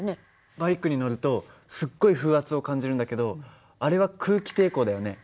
バイクに乗るとすっごい風圧を感じるんだけどあれは空気抵抗だよね。